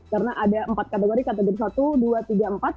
karena ada empat kategori kategori satu dua tiga empat